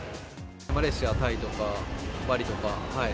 マレーシア、タイとか、バリとか。